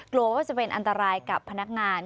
กลัวว่าจะเป็นอันตรายกับพนักงาน